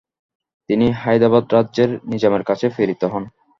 তিনি হায়দ্রাবাদ রাজ্যের নিজামের কাছে প্রেরিত হন।